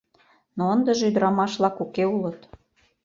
Но ындыже ӱдырамаш-влак уке улыт.